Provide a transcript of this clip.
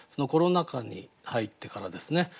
コロナ禍に入ってからですね